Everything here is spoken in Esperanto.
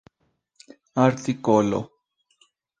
artikolo